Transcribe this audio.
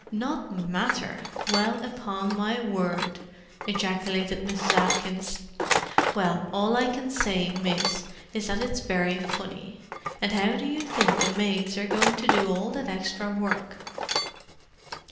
"Not matter! Well, upon my word!" ejaculated Mrs. Atkins. "Well, all I can say, miss, is that it's very funny. And how do you think the maids are going to do all that extra work?"